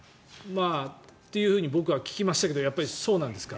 というふうに僕は聞きましたけどやっぱりそうなんですか？